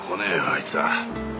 あいつは。